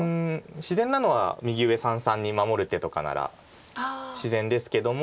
自然なのは右上三々に守る手とかなら自然ですけども。